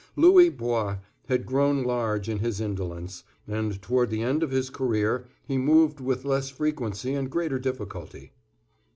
Louis Bois had grown large in his indolence, and towards the end of his career he moved with less frequency and greater difficulty.